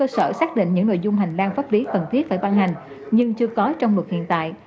sở xác định những nội dung hành lang pháp lý cần thiết phải ban hành nhưng chưa có trong luật hiện tại